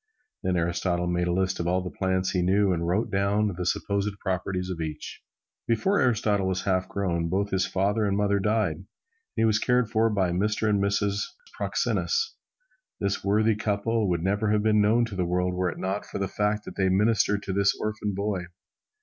Then Aristotle made a list of all the plants he knew and wrote down the supposed properties of each. Before Aristotle was half grown, both his father and mother died, and he was cared for by a Mr. and Mrs. Proxenus. This worthy couple would never have been known to the world were it not for the fact that they ministered to this orphan boy.